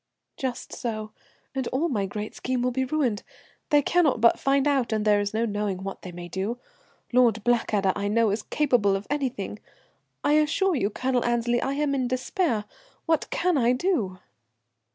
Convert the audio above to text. "Just so, and all my great scheme will be ruined. They cannot but find out, and there is no knowing what they may do. Lord Blackadder, I know, is capable of anything. I assure you, Colonel Annesley, I am in despair. What can I do?"